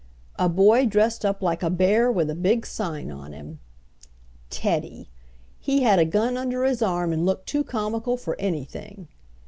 A boy dressed up like a bear with a big sign on him: TEDDY! He had a gun under his arm and looked too comical for anything.